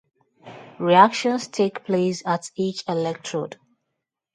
Reactions take place at each electrode.